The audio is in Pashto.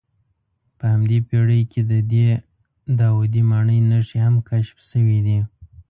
په همدې پېړۍ کې د دې داودي ماڼۍ نښې هم کشف شوې دي.